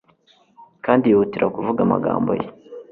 kandi yihutira kuvuga amagambo ye